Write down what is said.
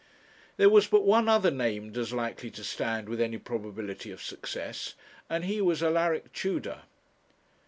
There was but one other named as likely to stand with any probability of success, and he was Alaric Tudor.